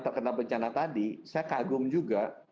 terkena bencana tadi saya kagum juga